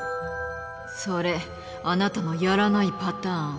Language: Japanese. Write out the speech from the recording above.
それあなたのやらないパターン。